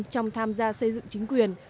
trong tham gia bầu cử